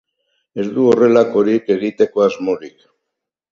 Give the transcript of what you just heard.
Ez du horrelakorik egiteko asmorik.